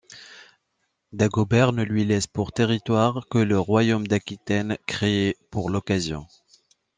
Dagobert ne lui laisse pour territoire que le royaume d'Aquitaine, créé pour l'occasion.